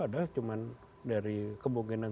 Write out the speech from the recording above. ada cuma dari kemungkinan